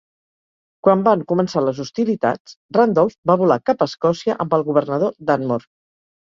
Quan van començar les hostilitats, Randolph va volar cap a Escòcia amb el governador Dunmore.